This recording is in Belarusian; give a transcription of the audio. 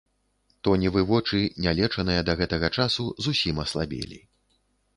Тоневы вочы, не лечаныя да гэтага часу, зусім аслабелі.